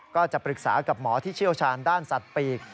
ก็จะปรึกษากับหมอที่เชี่ยวชาญด้านสัตว์ปีก